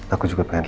aku juga pengen liat